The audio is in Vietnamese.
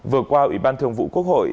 vừa qua ủy ban thường vụ quốc hội